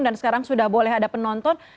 sekarang sudah boleh ada penonton